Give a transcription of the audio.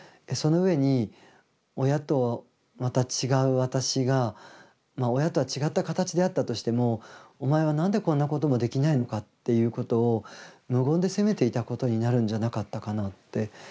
その上に親とまた違う私が親とは違った形であったとしてもお前は何でこんなこともできないのかっていうことを無言で責めていたことになるんじゃなかったかなって。